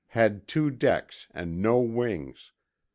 had two decks and no wings